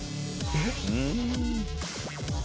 えっ！？